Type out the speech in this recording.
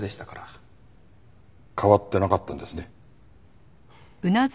変わってなかったんですね。